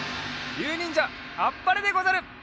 ゆうにんじゃあっぱれでござる。